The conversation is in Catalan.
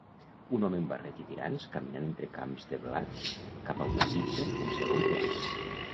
Un home amb barret i tirants caminant entre camps de blat cap a una sitja en segon pla